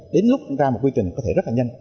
đến lúc ra một quy trình có thể rất là nhanh